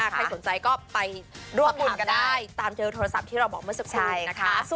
ใครสนใจก็ไปร่วมบุญกันได้ตามเจอโทรศัพท์ที่เราบอกเมื่อสักครู่นะคะ